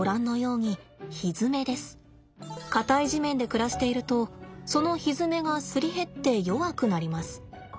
硬い地面で暮らしているとそのひづめがすり減って弱くなります。